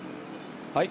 はい。